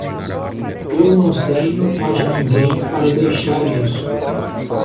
Eu não tenho mais ninguém para deixar isso.